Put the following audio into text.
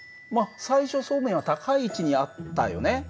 最初そうめんは高い位置にあったよね。